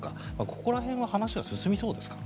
ここら辺は話は進みそうですか。